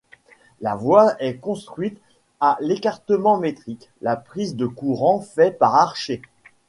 La voie est construite à l'écartement métrique, la prise de courant fait par archet.